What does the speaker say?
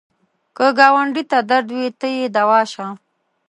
که ګاونډي ته درد وي، ته یې دوا شه